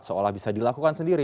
seolah bisa dilakukan sendiri